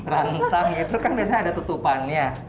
rantang itu kan biasanya ada tutupannya